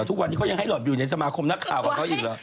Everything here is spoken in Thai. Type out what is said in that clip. ทุกวันนี้เขายังให้หลอดอยู่ในสมาคมนักข่าวของเขาอีกเหรอ